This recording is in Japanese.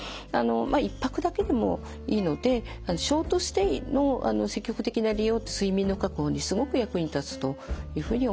一泊だけでもいいのでショートステイの積極的な利用って睡眠の確保にすごく役に立つというふうに思っています。